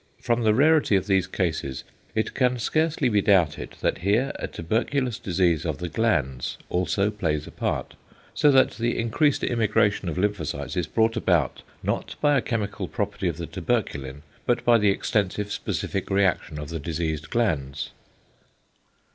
(E. Grawitz.) From the rarity of these cases it can scarcely be doubted that here a tuberculous disease of the glands also plays a part, so that the increased immigration of lymphocytes is brought about not by a chemical property of the tuberculin but by the extensive specific reaction of the diseased glands.